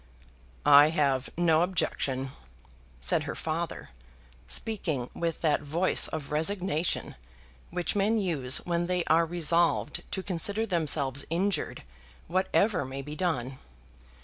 "I have no objection;" said her father, speaking with that voice of resignation which men use when they are resolved to consider themselves injured whatever may be done.